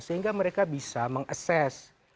sehingga mereka bisa mengases